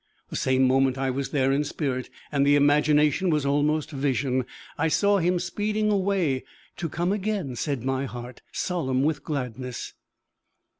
The same moment I was there in spirit, and the imagination was almost vision. I saw him speeding away "to come again!" said my heart, solemn with gladness.